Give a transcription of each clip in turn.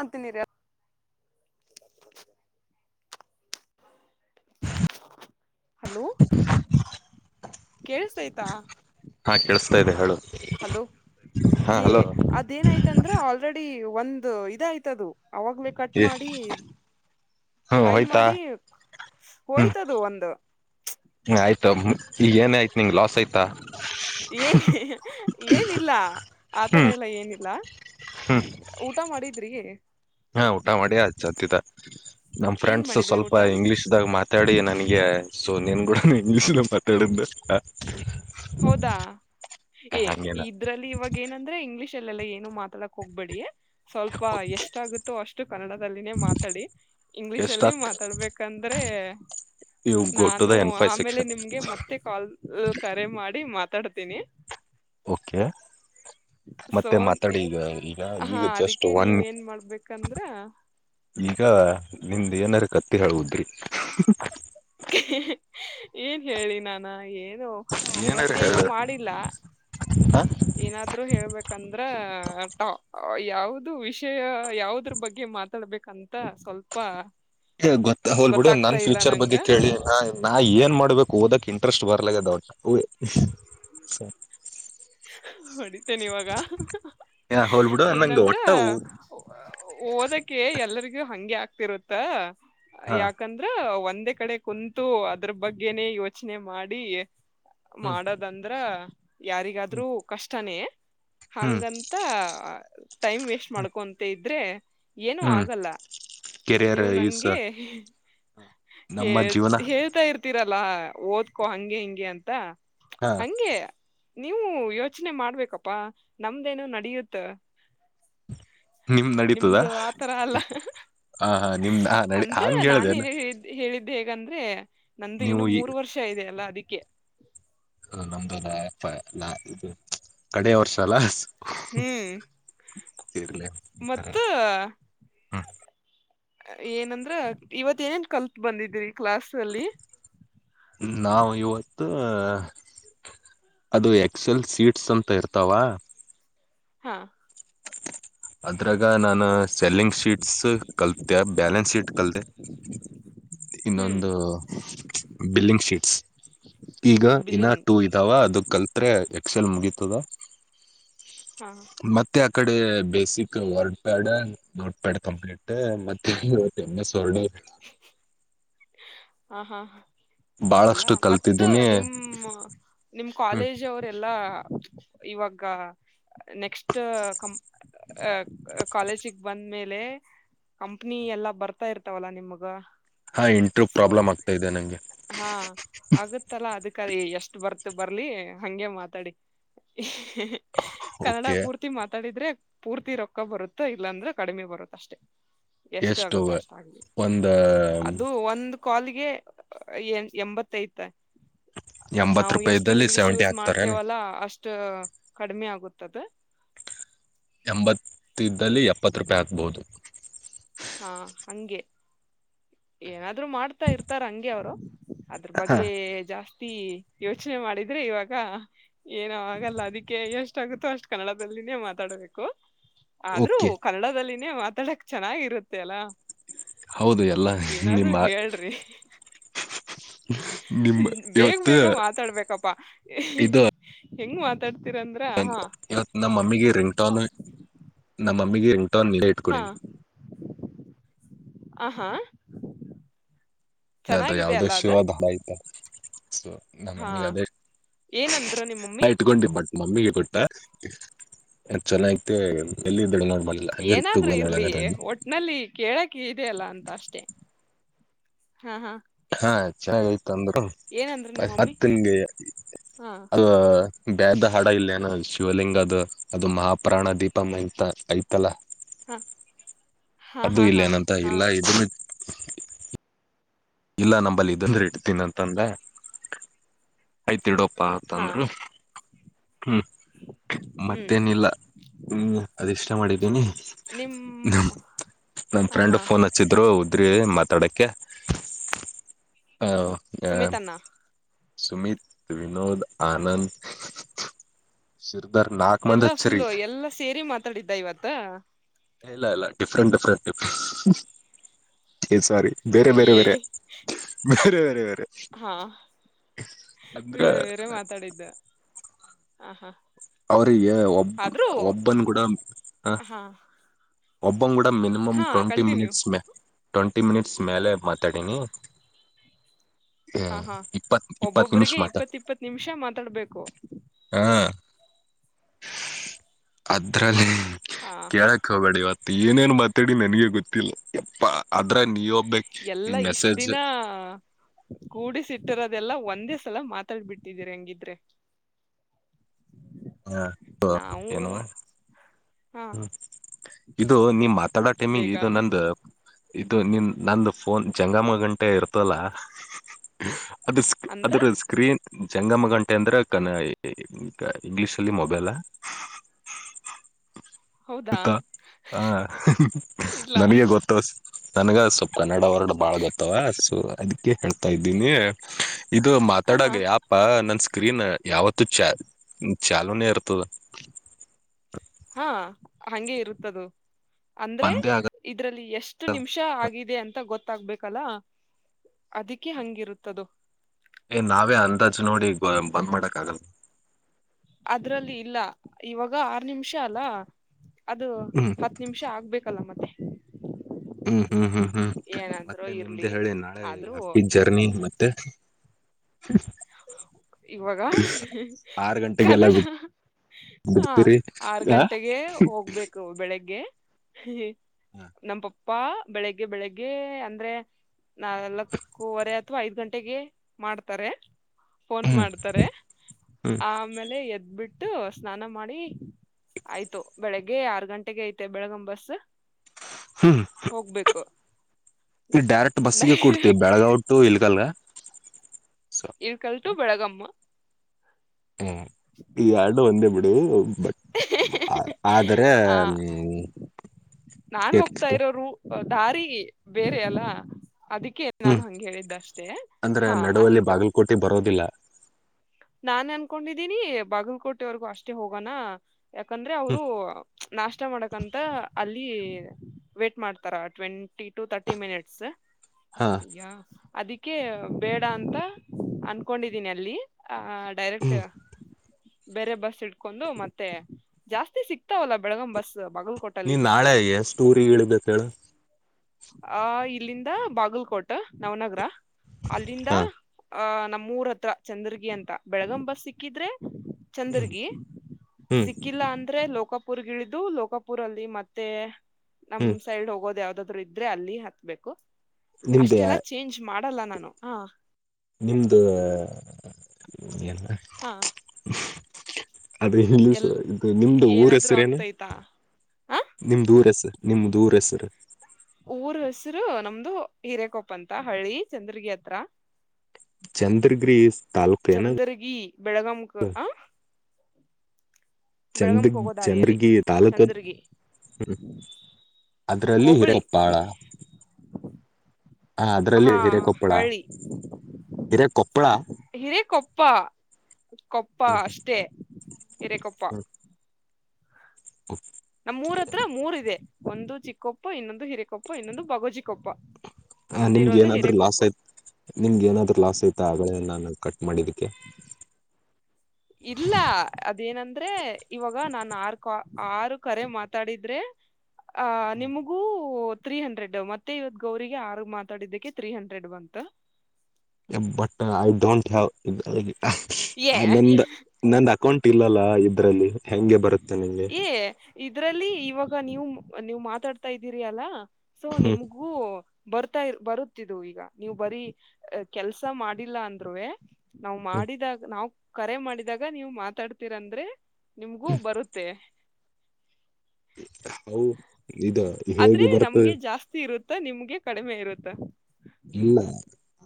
ಹಂತನಿರ [inaudible] hello ಕೇಳಸ್ತತ. ಹಾ ಕೇಳಿಸ್ತಾ ಇದೆ ಹೇಳು. ಹಲೋ ಹಾ ಈ ಹಲೋ ಅ ಏನಯ್ತಂದ್ರ ಆಲ್ರೆಡಿ ಒಂದ ಇದ ಆಯ್ತ ಅದು ಅವಾಗ್ಲೇ ಕಟ್ ಹ್ಮ ಮಾಡಿ. ಟ್ರೈ ಹೋಯ್ತಾ ಮಾಡಿ ಹೋಯ್ತದು ಒಂದು. ಹ ಆಯ್ತ ಈ ಏನ ಆಯ್ತ ನಿಂಗ್ ಲಾಸ್ ಆಯ್ತಾ. ಏ ಏನಿಲ್ಲ ಆತರ ಹ್ಮ್ ಇಲ್ಲ ಏನಿಲ್ಲ. ಊಟ ಮಾಡಿದ್ರಿ. ಹಾ ಊಟ ಮಾಡಿ ಹಚ್ಚತಿದ್ದ ನಮ್ ಏನ್ ಫ್ರೆಂಡ್ಸ್ ಮಾಡಿದ್ರಿ ಸ್ವಲ್ಪ ಊಟ ಇಂಗ್ಲೀಷ್ ಇವಾಗ ಮಾತಾಡಿ ನನ್ಗೆ ಸೊ ನಿಂಗು ಕೂಡ ಇಂಗ್ಲಷ್ ನಲ್ಲೆ ಮಾತಾಡುದನಾ? ಹೌದಾ ಏ ಇದ್ರಲ್ಲಿ ಇವಾಗ ಏನಂದ ಇದೆ ಇಂಗ್ಲಲಿಷ್ ಅಲ್ಲಿ ಯಲ್ಲಾ ಏನು ಮಾತಾಡಕ್ ಹೋಗ್ಬೇಡಿ ಸ್ವಲ್ಪ ಎಷ್ಟಾಗುತ್ತೋ ಅಷ್ಟು ಕನ್ನಡದಲ್ಲಿನೇ ಮಾತಾಡಿ ಇಂಗ್ಲಿಷ್ ಅಲ್ಲಿ ಎಷ್ಟತ್ ಮಾತಾಡ್ಬೇಕಂದ್ರೆ ಇವು ಗೋ ಟು ನಾನು ದ ಎನ್ ಫೈವ್ ಆಮೇಲೆ ಸೆಕ್ಷನ್ ನಿಮ್ಗೆ ಮತ್ತೆ ಕಾಲ್ ಕರೆ ಮಾಡಿ ಮಾತಾಡ್ತೀನಿ. ಓಕೆ [inaudible] ಸೋ ಮತ್ತೆ ಮಾತಾಡಿ ಈಗ [unintelligible] ಈಗ ಈಗ ಹಾ ಜಸ್ಟ್ ಅದಕ್ಕೆ ಒನ್ ನೀವ ಏನ್ ಮಾಡ್ಬೇಕಂದ್ರೆ ಈಗ [inaudible] ನಿಮ್ದ ಏನಾರ ಕತ್ತಿ ಹೇಳುದ್ರಿ [unintelligible] ಏನ್ ಹೇಳಿ ನಾನು ಏನು ಏನಾರ ಇವತ್ತೇನೋ ಹೇಳ ಮಾಡಿಲ್ಲ. [inaudible] ಏನಾದ್ರು ಹೇಳ್ಬೇಕಂದ್ರ ಟಾ ಯಾವ್ದು ವಿಷಯ ಯಾವದ್ರ ಬಗ್ಗೆ ಮಾತ ಬೇಕಂತ ಸ್ವಲ್ಪ ಗೊತ್ತಾ ಹೋಗಲ ಬಿಡು ಗೊತ್ತಾಗ್ತಾ ನನ್ ಇಲ್ಲ ಫ್ಯೂಚರ್ ನಂಗ ಬಗ್ಗೆ ಕೇಳಿ ನಾ ಏನ್ ಮಾಡ್ಬೇಕು ಓದಕ್ ಇಂಟ್ರೆಸ್ಟ್ ಬರ [unintelligible] ಹೊಡಿತೇನೆ ಇವಾಗ ಹೋಲ್ಬಿಡು ನಂಗೆ ಏನಂದ್ರ ಒಟ್ಟ ಓದಕ್ಕೆ ಎಲ್ಲರಿಗೂ ಹಂಗೆ ಆಗ್ತಿರುತ್ತ ಹ [inaudible] ಯಾಕ ಹು ಒಂದೇ ಕಡೆ ಕುಂತು ಅದ್ರ ಬಗ್ಗೆನೆ ಯೋಚನೆ ಮಾಡಿ [inaudible] ಹ್ಮ್ ಮಾಡದ ಅಂದ್ರ ಯಾರಿಗಾದ್ರೂ ಕಷ್ಟನೇ [inaudible] ಹ್ಮ್ ಹಂಗಂತ ಆ ಟೈಮ್ ವೇಸ್ಟ ಮಾಡ್ಕೊಂತ ಇದ್ರೆ ಏನು ಹ್ಮ್ ಆಗಲ್ಲ [inaudible] ಕೆರಿಯರ್ ನೀವು ಈಸ್ ನಂಗೆ ಹೇ ನಮ್ಮ ಜೀವನ ಹೇಳ್ತಾ ಇರ್ತೀರಲ್ಲಾ ಓದ್ಕೊ ಹಂಗೆ ಹಿಂಗೆ ಅಂತಾ [inaudible] ಹೆಂಗೆ ನೀವು ಯೋಚನೆ ಮಾಡ್ಬೇಕಪ್ಪಾ ನಮ್ದೇನು ನಡಿಯುತ್ತೆ [inaudible] ನಿಮ್ದ ನಡೀತದಾ ನಿಮ್ದು ಆತರ ಅಲ್ಲ ಹಾ ನಿಮ್ದಾ ನಡಿ ಹಂಗ ಹೇಳ್ದೇನ್ ಹೇಳಿದ್ದ ಹೇಗಂದ್ರೆ ನಂದ ಇನ್ನು ಈ ಮೂರು ವರ್ಷ ಇದೆ ಅಲ್ಲಾ ಅದಕ್ಕೆ ನಮ್ದುಲ್ಲಾ ಲೈ ಪಾ ಲಾ ಇದು ಕಡೆ ವರ್ಷ ಅಲ್ಲ ಹ್ಮ್ ಇರ್ಲಿ [inaudible] ಮತ್ತು ಏನಂದ್ರ ಇವತ್ ಏನೇನ್ ಕಲ್ತ್ ಬಂದಿದ್ವಿ ಕ್ಲಾಸ್ ಅಲ್ಲಿ ನಾವು ಇವತ್ತು ಅದು ಎಕ್ಸ ಎಲ್ ಸೀಟ್ಸ ಅಂತ ಇರ್ತಾವ ಹಾ ಅದ್ರಾಗ ನಾನ ಸೆಲ್ಲಿಂಗ್ ಶೀಟ್ಸ್ ಕಲ್ತ ಬ್ಯಾಲೆನ್ಸ ಶೀಟ್ ಕಲಿತ ಹ್ಮ್ ಇನ್ನೊಂದು ಬಿಲ್ಲಿಂಗ್ ಶೀಟ್ಸ ಈಗ ಇನ್ ಬಿಲ್ಲಿಂಗ್ ಟು ಹು ಅದ ಕಲ್ತ್ರೆ ಎಕ್ಸೆಲ್ ಮುಗಿತದ [inaudible] [inaudible] ಮತ್ತೆ ಆ ಕಡೆ basic WordPad Notepad complete ಮತ್ತ ಎಂ ಎಸ್ ವರ್ಡ್ ಹಾ ಎಲ್ಲ ಬಹಳಷ್ಟು ಮತ್ತ ಕಲ್ತಿದ್ದೀನಿ ನಿಮ್ಮ ನಿಮ್ ಹ್ಮ ಕಾಲೇಜ್ ಅವರೆಲ್ಲಾ? ಇವಾಗ ನೆಕ್ಸ್ಟ ಅಂ ಕಾಲೇಜಿಗ್ ಬಂದ್ಮೇಲೆ ಕಂಪ್ನಿ ಎಲ್ಲಾ ಬರ್ತಾ ಇರ್ತಾವಲ್ಲಾ ನಿಮ್ಗ ಹಾ ಇಂಟ್ರೂ ಪ್ರಾಬ್ಲಮ್ ಆಗ್ತಾ ಇದೆ ನಂಗೆ. ಹಾ ಆಗುತ್ತಲ್ಲಾ ಅದಕ್ಕರಿ ಎಷ್ಟ್ ಬರ್ತೊ ಬರ್ಲಿ ಹಂಗೆ ಮಾತಾಡಿ. ಕನ್ನಡ ಓಕೆ ಪೂರ್ತಿ ತಿ ಮಾತಾಡಿದ್ರೆ ಪೂರ್ತಿ ರೊಕ್ಕ ಬರುತ್ತ ಇಲ್ಲಾಂದ್ರೆ ಕಡಿಮೆ ಬರುತ್ ಅಷ್ಟೇ. ಎಷ್ಟು ಆಗುತ್ತೋ ಅಷ್ಟ್ ಆಗ್ಲಿ ಒಂದ ಅದು ಒಂದ್ ಕಾಲ್ಗೆ ಏನ್ ಎಂಬತ್ತೈತೆ ಅದ್ ಎಂಬತ್ ನಾವು ಎಷ್ಟು ರೂಪಾಯಿದಲ್ಲಿ ಇಂಗ್ಲಿೀಷ್ ಸೆವೆಂಟಿ ಯೂಸ್ ಹಾಕ್ತಾರೇನ ಮಾಡ್ತೇವಲ್ಲಾ ಅಷ್ಟ್ ಟು ಕಡಿಮೆ ಆಗುತ್ತದು. ಎಂಬತ್ತಿದ್ದಲ್ಲಿ ಎಪ್ಪತ್ ರೂಪಾಯ್ ಹಾಕ್ಬೋದು. ಹಾ ಹಂಗೆ ಏನಾದ್ರು ಮಾಡ್ತಾ ಇರ್ತಾರ್ ಹಂಗೆ ಅವ್ರು. ಅದ್ರ್ ಹಾ ಬಗ್ಗೆ ಜಾಸ್ತಿ ಯೋಚ್ನೆ ಮಾಡಿದ್ರೆ ಇವಾಗ. ಏನು ಆಗಲ್ಲ ಅದಿಕ್ಕೆ ಎಷ್ಟ್ ಆಗುತ್ತೋ ಅಷ್ಟ್ ಕನ್ನಡದಲ್ಲಿನೇ ಮಾತಾಡ್ಬೇಕು. ಆದ್ರೂ ಓಕೆ ಕನ್ನಡದಲ್ಲಿನೇ ಮಾತಾಡಕ್ ಚೆನ್ನಾಗಿರುತ್ತೆ ಅಲ್ಲ. ಹೌದು ಎಲ್ಲ ಏನಾದ್ರೂ ಹೇಳ್ರಿ. ಹ ಬೇಗ್ ಬೇಗ ಮಾತಾಡ್ಬೇಕಪ್ಪಾ ಇದು ಹೆಂಗ್ ಮಾತಾಡ್ತೀರಂದ್ರ ಹಾ ಇವತ್ ನಮ್ ಮಮ್ಮಿಗೆ ರಿಂಗ್ಟೋನು, ನಮ್ಮಮ್ಮಿಗೆ ರಿಂಗ್ಟೋನ್ [unintelligible] ಇಟ್ಕೊಡಿನಿ. ಆಹ್ ಹಾ ಅದು ಚೆನ್ನಾಗಿದೆ ಯಾವ್ದೋ ಅಲ್ಲ ಅದು ಶಿವದ್ ಹಾಡೈತಲ ಸೊ ಹಾ ನಮ್ಮಮ್ಮಿಗ್ ಅದೇ ಏನಂದ್ರ ನಾ ನಿಮ್ಮಮ್ಮಿ ಇಟ್ಕೊಂಡಿ ಬಟ್ ಮಮ್ಮಿಗೆ ಕೊಟ್ಟ [unintelligible] ಇತ್ತು ಏನಾದ್ರು ಗೋಲೊಳಗ ಇರ್ಲಿ ಒಟ್ ನಲ್ಲಿ ಕೇಳಕ್ ಇದೆ ಅಲ್ಲ ಅಂತ ಅಷ್ಟೆ ಹಾ ಹಾ. ಹಾ ಚೆನ್ನಾಗೈತ್ ಅಂದ್ರು, ಏನಂದ್ರ ನಿಮ್ಮಮ್ಮಿ ಹತ್ತನ್ಗೆ ಹಾ ಅದು [unintelligible] ಹಾಡ ಇಲ್ಲೇನು ಶಿವಲಿಂಗದು, ಅದು ಮಹಾಪ್ರಾಣ ದೀಪಂ ಅಂತ ಐತಲ್ಲ. ಹಾ, ಹಾ ಅದು ಹಾ ಹಾ, ಇಲ್ಲೇನಂತ ಹಾ ಇಲ್ಲ ಇದನ್ನು ಇಲ್ಲ ನಂಬಲ್ಲಿ ಇದಂದ್ರೆ ಇಡ್ತೀನಿ ಅಂತಂದೆ. ಆಯ್ತ್ ಇಡಪ್ಪಾ ಹಾ ಅಂತಂದ್ರು. ಹ್ಮ್ ಹ್ಮ್ ಮತ್ತೇನಿಲ್ಲ ಹ್ಮ್ ಅದ ಇಷ್ಟ ಮಾಡಿದ್ದೀನಿ. ನಿಮ್ ಹ್ಮ್ ನನ್ ಹಾ ಫ್ರೆಂಡ್ ಹಾ ಫೋನ್ ಹಚ್ಚಿದ್ರು ಉದ್ರಿ ಮಾತಾಡಕ್ಕೆ, ಆಹ್ ಸುಮಿತನ್ನ? ಸುಮಿತ್, ವಿನೋದ್, ಆನಂದ್. ಶಿರ್ದರ್ ನಾ ಎಲ್ಲಾ ಫುಲ್ಲು, ಎಲ್ಲಾ ಸೇರಿ ಮಾತಾಡಿದ್ದ ಇವತ್ತ ಇಲ್ಲ ಇಲ್ಲ ಡಿಫ್ರೆಂಟ್ ಡಿಫ್ರೆಂಟ್ ಡಿಫ್, ಎ ಸಾರಿ ಬೇರೆ ಬೇರೆ ಬೇರೆ ಬೇರೆ ಬೇರೆ ಆಹ್, ಅಂದ್ರೆ ಬೇರೆ ಬೇರೆ ಮಾತಾಡಿದ್ದ ಹ ಹಾ. ಅವ್ರಿಗೆ ಒಬ್ ಆದ್ರೂ ಒಬ್ಬನ್ ಗೂಡ ಹ ಹಾ ಒಬ್ಬಂಗೂಡ ಮಿನಿಮಮ್ ಹಾ ಟ್ವೆಂಟಿ ಕಂಟಿನ್ಯೂ ಮಿನಿಟ್ಸ್ ಮೆ ಟ್ವೆಂಟಿ ಮಿನಿಟ್ಸ್ ಮೇಲೆ ಮಾತಾಡೀನಿ. ಹಾ ಹಾ ಇಪ್ಪತ್ ಇಪ್ಪತ್ ನಿಮಿಷ ಒಬ್ಬೊಬ್ರಿಗೆ ಮಾತಾ ಇಪ್ಪತ್ ಇಪ್ಪತ್ ನಿಮ್ಷ ಮಾತಾಡ್ಬೇಕು. ಹಾ ಅದ್ರಲ್ಲಿ ಹ ಹಾ ಕೇಳಕ್ ಹೋಗ ಬೇಡ ಇವತ್ತು ಏನೇನ್ ಮಾತಾಡಿ ನನಗೆ ಗೊತ್ತಿಲ್ಲ ಪ್ಪ ಅದ್ರ ನಿನೊಬ್ಬಕಿ ಎಲ್ಲಾ ಇಷ್ಟ್ ಮೆಸೇಜ್ ದಿನ ಕೂಡಿಸಿಟ್ಟಿರೋದೆಲ್ಲ ಒಂದೇ ಸಲ ಮಾತಾಡ್ಬ ಬಿಟ್ಟಿದೀರಿ ಹಂಗಿದ್ರೆ [inaudible] ಹಾ ನಾವು ಏನು ಹಾ ಹ್ಮ [inaudible] ಇದು ನಿಮ್ ಆದ ಟೈಮಿಗೆ ಬೇಗ ಇದು ನಂದು ಇದು ನಿನ್ ನಂದ ಫೋನ್ ಜಂಗಮ್ಮ ಗಂಟೆ ಇರ್ತಲ್ಲ ಅದ ಅಂದ್ರೆ ಅದ್ರ ಸ್ಕ್ರೀನ್ ಜಂಗಮ ಗಂಟೆ ಅಂದ್ರೆ ಗನ ಕ ಇಂಗ್ಲಿಷ್ ಅಲ್ಲಿ ಮೊಬೈಲ್ [unintelligible] ಹೌದಾ ಸುತ್ತ ಹ ಇಲ್ಲ ನನಗೆ ಗೊತ್ತ ನನ್ಗ ಸ್ವಲ್ಪ್ ಕನ್ನಡ ವರ್ಡ್ ಬಾಳ್ ಗೊತ್ತವ ಸೊ ಅದಕ್ಕೆ ಹೇಳ್ತಾ ಇದ್ದೀನಿ ಇದು ಹ ಹಾ ಮಾತಾಡಾಗ ಯಾಪ್ ನನ್ ಸ್ಕ್ರೀನ್ ಯಾವತ್ [inaudible] ಚಾಲೂನೇ ಇರ್ತದ [inaudible] ಹಾ ಹಂಗೆ ಇರುತ್ತದು [inaudible] ಅಂದ್ರೆ ಬಂದೇ ಆಗಲ್ಲ ಇದ್ರಲ್ಲಿ ಎಷ್ಟು ನಿಮಿಷ ಆಗಿದೆ ಅಂತ ಗೊತ್ತಾಗ್ಬೇಕಲ್ಲ ಅದಕ್ಕೆ ಹಂಗಿರುತ್ತದ ಏ ನಾವೇ ಅಂದಾಜ್ ನೋಡಿ ಬ ಬಂದ್ ಮಾಡಕ್ ಆಗಲ್ಲ ಅದ್ರಲ್ಲಿ ಇಲ್ಲ ಇವಾಗ ಆರ್ ನಿಮಿಷ ಅಲ್ಲ ಅದ ಹ್ಮ್ ಹತ್ತ ನಿಮಿಷ ಆಗ್ಬೇಕಲ್ಲ ಮತ್ತೆ ಹ್ಮ್ ಹ್ಮ್ ಹ್ಮ್ ಹ್ಮ್ ಏನಂದ್ರು ಮತ್ತೆ ಇರ್ಲಿ ನಿಮ್ದೆ ಹೇಳಿ ನಾಳೆ ಆದ್ರೂ ಹ್ಯಾಪಿ ಜರ್ನಿ ಮತ್ತೆ ಇವಾಗ ಆರ್ ಗಂಟೆಗೆಲ್ಲ ಕನ್ನಡ ಬಿಟ್ ಹಾ ಬಿಡ್ತೀರಿ ಆರ್ ಹಾ ಗಂಟೆಗೆ ಹೋಗ್ಬೇಕು ಬೆಳಿಗ್ಗೆ ಹೆ ನಮ್ಮ ಪಪ್ಪಾ ಬೆಳಿಗ್ಗೆ ಬೆಳಿಗ್ಗೆ ಅಂದ್ರೆ ನಾಲ್ಕೂವರೆ ಅಥವಾ ಐದ್ ಗಂಟೆಗೆ ಮಾಡ್ತಾರೆ ಫೋನ್ ಹ್ಮ್ ಮಾಡ್ತಾರೆ ಹ್ಮ್ ಆಮೇಲೆ ಎದ್ಬಿಟ್ಟು ಸ್ನಾನ ಮಾಡಿ ಆಯ್ತು ಬೆಳಿಗ್ಗೆ ಆರ್ ಗಂಟೆಗೆ ಐತೆ ಬೆಳಗಮ ಬಸ್ ಹ್ಮ್ ಹೋಗ್ಬೇಕು ಈ ಡೈರೆಕ್ಟ ಬಸ್ಸಗೆ ಕುಡ್ತತಿ ಡೈರೆಕ್ಟ್ ಬೆಳಗಾವ ಟು ಇಲ್ಗಲ್ಗ ಇಳಕಲ್ ಟು ಬೆಳಗಮ್ಮ ಹು ಈ ಯಾಡು ಒಂದೇ ಬಿಡು ಬ ಆ ಆದ್ರ ಆ ನೀವು [inaudible] ಇರತಿತ್ತ ಹು ದಾರಿ ಬೇರೆ ಅಲ್ಲ ಅದಕ್ಕೆ ನಾನು ಹ್ಮ್ ಹಂಗ ಹೇಳಿದ್ದಷ್ಟೇ ಹಾ ಆಯ್ತು ನಿದ್ದೆ ಬರೋದಿಲ್ಲ. ನಾನ್ ಅನ್ಕೊಂಡಿದ್ದೀನಿ ಬಾಗಲಕೋಟೆವರೆಗೂ ಅಷ್ಟೇ ಹೋಗೋಣ ಯಾಕಂದ್ರೆ ಹ್ಮ್ ಅವರು ನಾಷ್ಟ ಮಾಡಕಂತ ಅಲ್ಲಿ ವೇಟ್ ಮಾಡ್ತಾರ ಟ್ವೆಂಟಿ ಟು ತರ್ಟಿ ಮಿನಿಟ್ಸ ಹಾ ಯಾ ಅದಿಕ್ಕೆ ಬೇಡ ಅಂತ ಅನ್ಕೊಂಡಿದೀನಿ ಅಲ್ಲಿ ಆ ಡೈರೆಕ್ಟ ಹ್ಮ್ ಬೇರೆ ಬಸ್ ಇಟ್ಕೊಂಡು ಮತ್ತೆ ಜಾಸ್ತಿ ಸಿಕ್ತಾವಲ್ಲ ಬೆಳಗಂ ಬಸ್ ಬಾಗಲಕೊ ನೀನ್ ನಾಳೆ ಎಷ್ಟ್ಟೂರಿ ಇಳ್ಬೇಕ ಹೇಳ ಆ ಇಲ್ಲಿಂದ ಬಾಗಲ್ಕೋಟ್ ನವನಗರ ಅಲ್ಲಿಂದ ಹಾ ಅ ನಮ್ಮೂರ್ ಹತ್ರ ಚಂದರ್ಗಿ ಅಂತ ಬೆಳಗಂ ಬಸ್ ಸಿಕ್ಕಿದ್ರೆ ಚಂದರ್ಗಿ [inaudible] ಹ್ಮ್ ಸಿಕ್ಕಿಲ್ಲ ಅಂದ್ರೆ ಲೋಕಾಪುರ್ಗಿಳಿದು ಲೋಕಾಪುರ ಅಲ್ಲಿ ಮತ್ತೆ ನಮ್ ಹ್ಮ್ ಸೈಡ್ ಹೋಗೋದು ಯಾವ್ದಾದ್ರು ಇದ್ರೆ ಅಲ್ಲಿ ಹತ್ಬೇಕು ನಿಮ್ದ ಅಷ್ಟೆಲ್ಲ ಚೇಂಜ್ ಮಾಡಲ್ಲ ನಾನು ಹ ನಿಮ್ದ ಏಲ್ಲ ಹಾ ಅದ್ರ ಇಲ್ಲ ಸ ಎಲ್ ಇದು ನಿಮ್ದು ಊರ್ ಏನಾದ್ರು ಹೆಸರೇನು ಆಗ್ತೈತಾ ಆ ನಿಮ್ದು ಊರು ಹೆಸರ್ ನಿಮ್ದು ಊರು ಹೆಸರು ಊರ ಹೆಸರು ನಮ್ದು ಹಿರೇಕೊಪ್ಪ ಅಂತ ಹಳ್ಳಿ ಚಂದ್ರಗಿರಿ ಹತ್ರ ಚಂದ್ರಗಿರಿ ತಾಲೂಕ್ ಏನ ಚಂದರ್ಗಿ ಬೆಳಗಂಕ ಹ ಬೆಳಗಮ ಚಂದ ಕ ಹೋಗೋದಾರಿಯಲ್ಲಿ ಚಂದ್ರಗಿ ತಾಲೂಕ ಚಂದರ್ಗಿ ಅದ್ರಲ್ಲಿ ಹೋಬಳಿ ಹಿರೇಕೊಪ್ಪಾಳ ಹ ಅದ್ರಲ್ಲಿ ಹಾ ಹಿರೇಕೊಪ್ಪಳ ಹಳ್ಳಿ ಹಿರೇಕೊಪ್ಪಳ ಹಿರೇ ಕೊಪ್ಪ ಕೊಪ್ಪ ಅಷ್ಟೆ ಹೀರೆ ಕೊಪ್ಪ ಹ [inaudible] ನಮ್ಮ್ ಮೂರ ಹತ್ರ ಮೂರ ಇದೆ ಒಂದು ಚಿಕ್ಕೊಪ್ಪ ಇನ್ನೊಂದು ಹಿರಕೊಪ್ಪ ಇನ್ನೊಂದು ಬಗೋಜಿಕ್ಕ ಕೊಪ್ಪ ನಿಮ್ಗೆ ನಮ್ದಿರೋದು ಏನಾದ್ರು ಹಿರಕೊಪ್ಪ ಲಾಸ್ ಆಯ್ತ ನಿಮ್ಗೆ ನಾದ್ರರು ಲಾಸ್ ಐತಾ ಆಗಳೇ ನಾನು ಕಟ್ ಮಾಡಿದಕ್ಕೆ ಇಲ್ಲ ಅದೇನಂದ್ರೆ ಇವಾಗ ನಾನ್ ಆರ್ ಕ ಆರು ಕರೆ ಮಾತಾಡಿದ್ರೆ ಆ ನಿಮಗೂ ತ್ರೀ ಹಂಡ್ರೆಡ್ ಮತ್ತೆ ಇವತ್ ಗೌರಿಗೆ ಆರುಗ್ ಮಾತಾಡಿದ್ದಕ್ಕೆ ತ್ರೀ ಹಂಡ್ರೆಡ್ ಬಂತ ಬಟ್ ಐ ಡೋಂಟ್ ಹ್ಯಾವ್ ಇ ಲ ಏ ಆ ನಂದ ನಂದ ಅಕೌಂಟ್ ಇಲ್ಲಲ್ಲ ಇದ್ರಲ್ಲಿ ಹೆಂಗೆ ಬರುತ್ತೆ ನಿಂಗೆ ಏ ಇದ್ರಲ್ಲಿ ಇವಾಗ ನೀವು ನೀವು ಮಾತಾಡ್ತಾ ಇದ್ದೀರಿ ಅಲ್ಲ ಸೊ ಹ್ಮ್ ನಿಮ್ಗೂ ಬರ್ತಾ ಬರುತ್ತಿದು ಈಗ ನೀವು ಬರೀ ಕೆಲ್ಸ ಮಾಡಿಲ್ಲ ಅಂದ್ರುವೆ ನಾವ್ ಮಾಡಿದಾಗ ನಾವ್ ಕರೆ ಮಾಡಿದಾಗ ನೀವ್ ಮಾತಾಡ್ತಿರಂದ್ರೆ ನಿಮ್ಗೂ ಬರುತ್ತೆ ಹೌ ಇದ ಹೇಗೆ ಬರ್ತದೆ ತಿ ಇರುತ್ತಾ ನಿಮ್ಗೆ ಕಡಿಮೆ ಇರುತ್ತಾ ಇಲ್ಲ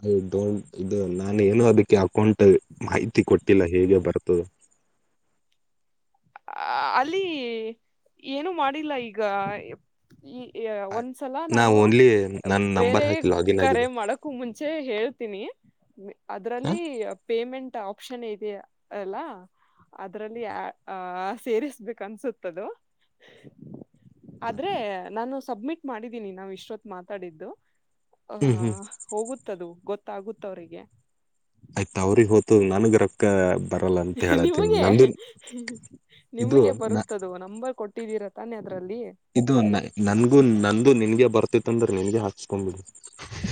ಅಯಡೋಂಟ್ ಇದು ನಾನು ಏನು ಅದಕ್ಕೆ ಅಕ್ಕೆ ಅಕೌಂಟ್ ಮಾಹಿತಿ ಕೊಟ್ಟಿಲ್ಲ ಹೇಗೆ ಬರ್ತದೆ ಅ ಅಲ್ಲಿ ಏನು ಮಾಡಿಲ್ಲ ಈಗ ಈ ಆ- ಒಂದ್ಸಲ ನಾ ನಾನು ಓನ್ಲಿ ನನ್ ನಂಬರ್ ಬೇರೆ ಹಾಕಿ ಲಾಗಿನ್ ಕರೆ ಆಗಿದ್ದೀನಿ ಮಾಡಕು ಮುಂಚೆ ಹೇಳ್ತೀನಿ ಅದ್ರಲ್ಲಿ ಪೇಮೆಂಟ್ ಆಪ್ಷನ್ ಇದೆ ಅಲ್ಲ ಅದರಲ್ಲಿ ಆ ಸೇರಿಸ್ಬೇಕ ಅನ್ಸುತ್ತದು ಆದ್ರೆ ನಾನು ಸಬ್ಮಿಟ್ ಮಾಡಿದ್ದೀನಿ ನಾವು ಇಷ್ಟೊತ್ತು ಮಾತಾಡಿದ್ದು ಹ ಹ್ಮ್ ಹ್ಮ್ ಹೋಗುತ್ತದು ಗೊತ್ತಾಗುತ್ತ ಅವರಿಗೆ ಆಯ್ತ ಅವಿಗೆ ಹೋತದ ನನ್ ಗರಕ್ ಬರಲ್ಲ ಅಂತ ಹೇಳತೀನಿ ನಿಮಗೆ ನಂದು ಇದು ನಿಮಗೆ ನ- ಬರುತ್ತದು ನಂಬರ್ ಕೊಟ್ಟ ಕೊಟ್ಟಿದಿರ ತಾನೆ ಅದರಲ್ಲಿ ಇದು ನನ್ಗೂ ನಂದು ನಿನ್ಗೆ ಬರ್ತಿತ್ತ ಅಂದ್ರೆ ನಿನ್ಗೆ ಹಾಕಿಸಿಕೊಂಡು ಬಿಡು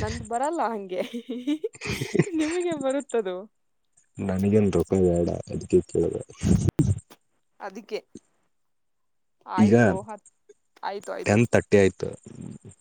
ನಂದು ಬರಲ್ಲ ಹಂಗೆ ನಿಮ್ಗೆ ಬರುತ್ತದು ನನಗಂತು ರೊಕ್ಕ ಬೇಡ ಅದಕ್ಕೆ ಕೇಳಬೇಕ ಅದಕ್ಕೆ ಈಗ ಆಯ್ತು ಹತ್ ಆಯ್ತು ಆಯ್ತು. [inaudible]